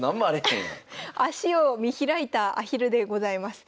足を見開いたアヒルでございます。